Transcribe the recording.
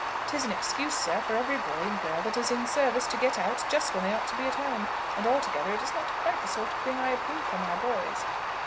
'Tis an excuse, sir, for every boy and girl that is in service to get out just when they ought to be at home, and altogether it is not quite the sort of thing I approve for my boys."